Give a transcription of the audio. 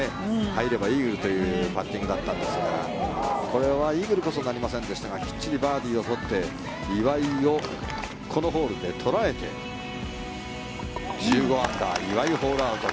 入ればイーグルというパッティングだったんですがこれはイーグルこそなりませんでしたがきっちりバーディーを取って岩井をこのホールで捉えて１５アンダー岩井、ホールアウト。